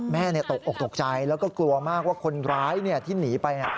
ตกออกตกใจแล้วก็กลัวมากว่าคนร้ายที่หนีไป